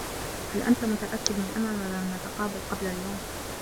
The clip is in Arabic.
هل أنت متأكّد من أنّنا لم نتقابل قبل اليوم ؟